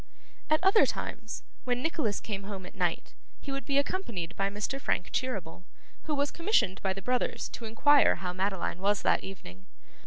At other times, when Nicholas came home at night, he would be accompanied by Mr. Frank Cheeryble, who was commissioned by the brothers to inquire how Madeline was that evening.